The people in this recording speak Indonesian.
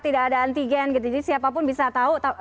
tidak ada antigen gitu jadi siapapun bisa tahu